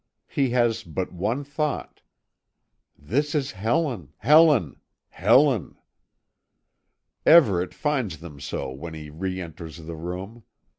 He has but one thought: "This is Helen, Helen, Helen." Everet finds them so when he re enters the room.